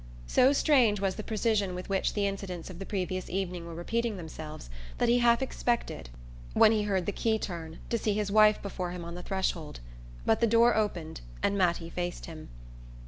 So strange was the precision with which the incidents of the previous evening were repeating themselves that he half expected, when he heard the key turn, to see his wife before him on the threshold; but the door opened, and Mattie faced him.